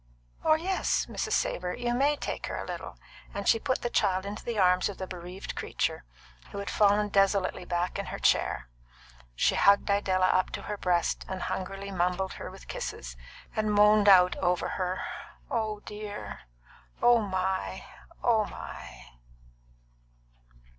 "Or yes, Mrs. Savor, you may take her a while;" and she put the child into the arms of the bereaved creature, who had fallen desolately back in her chair. She hugged Idella up to her breast, and hungrily mumbled her with kisses, and moaned out over her, "Oh dear! Oh my! Oh my!"